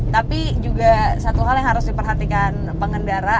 tapi juga satu hal yang harus diperhatikan pengendara